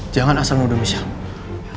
jangan asal nuduh michelle